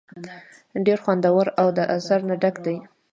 ډېر خوندور او د اثر نه ډک دے ۔